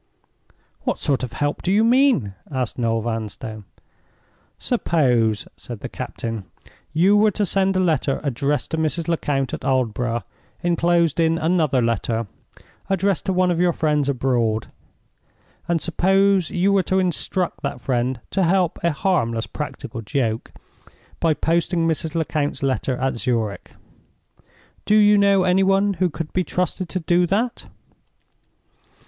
"What sort of help do you mean?" asked Noel Vanstone. "Suppose," said the captain, "you were to send a letter addressed to Mrs. Lecount at Aldborough, inclosed in another letter addressed to one of your friends abroad? And suppose you were to instruct that friend to help a harmless practical joke by posting Mrs. Lecount's letter at Zurich? Do you know any one who could be trusted to do that?"